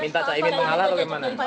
minta caimin mengalah atau bagaimana